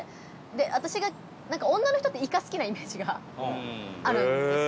私が、なんか女の人っていか好きなイメージがあるんです。